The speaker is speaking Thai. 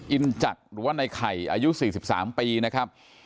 อินจักรหรือว่าในไข่อายุสี่สิบสามปีนะครับ